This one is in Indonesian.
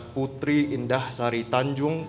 putri indah sari tanjung